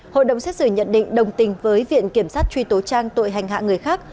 hội đồng xét xử nhận định đồng tình với viện kiểm sát truy tố trang tội hành hạ người khác